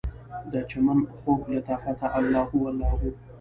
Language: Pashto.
دچمن خوږ لطافته، الله هو الله هو